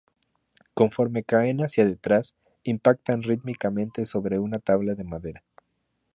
Conforme caen hacia detrás, impactan rítmicamente sobre una tabla de madera.